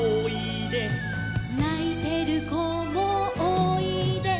「ないてる子もおいで」